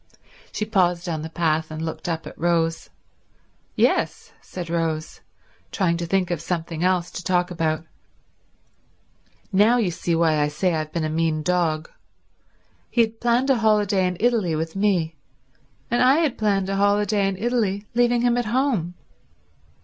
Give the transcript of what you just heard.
She paused on the path and looked up at Rose. "Yes," said Rose, trying to think of something else to talk about. "Now you see why I say I've been a mean dog. He had planned a holiday in Italy with me, and I had planned a holiday in Italy leaving him at home.